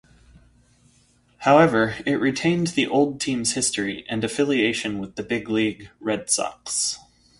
However, it retained the old team's history and affiliation with the big-league Red Sox.